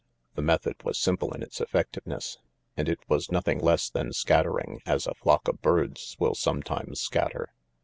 The method was simple in its effectiveness, and it was nothing less than scattering as a flock of birds will sometimes scatter.